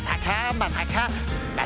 まさか。